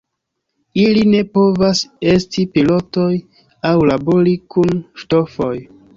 Ili ne povas esti pilotoj aŭ labori kun ŝtofoj.